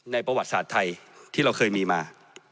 ประวัติศาสตร์ไทยที่เราเคยมีมา